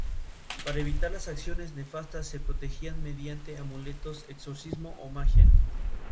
Cursó estudios en la Escuela de Pedagogía de Filadelfia.